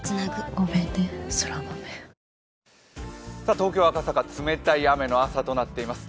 東京・赤坂冷たい雨の朝となっています。